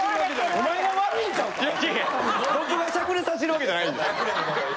僕がしゃくれさせてるわけじゃないんで。